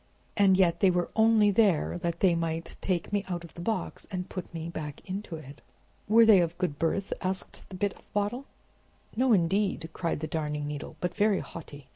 And yet they were only there that they might take me out of the box and put me back into it." "Were they of good birth?" asked the Bit of Bottle. "No, indeed," cried the Darning Needle, "but very haughty.